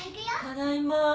ただいま。